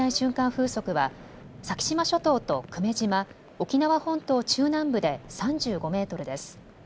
風速は先島諸島と久米島、沖縄本島中南部で３５メートルです。